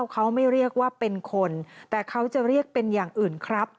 เขาไม่เรียกว่าเป็นคนแต่เขาจะเรียกเป็นอย่างอื่นครับ